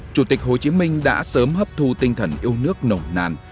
chủ tịch hồ chí minh đã sớm hấp thu tinh thần yêu nước nổ nàn